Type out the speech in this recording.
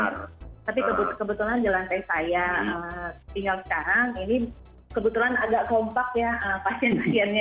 tapi kebetulan di lantai saya tinggal sekarang ini kebetulan agak kompak ya pasien pasiennya